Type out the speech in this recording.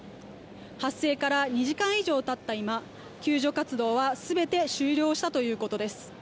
発生から２時間以上たった今救助活動は全て終了したということです。